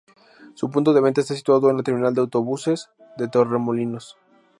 Su punto de venta está situado en la Terminal de Autobuses de Torremolinos.